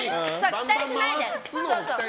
期待しないで！